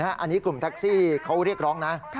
อันนี้กลุ่มแท็กซี่เขาเรียกร้องนะ